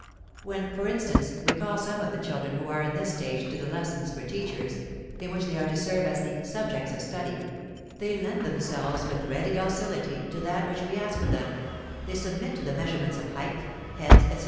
When, for instance, we call some of the children who are in this stage to the lessons for teachers, in which they are to serve as the "subjects of study," they lend themselves with ready docility to that which we ask of them, they submit to the measurements of height, heads, etc.